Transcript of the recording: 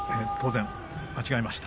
間違えました。